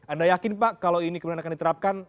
anda yakin pak kalau ini kemudian akan diterapkan